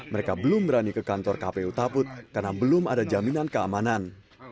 mereka belum berani ke kantor kpu taput karena belum ada jaminan keamanan